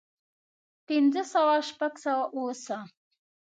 پنځۀ سوه شپږ سوه اووه سوه